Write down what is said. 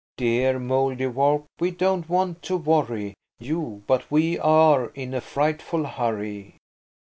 Dear Mouldiwarp, we don't want to worry You–but we are in a frightful hurry."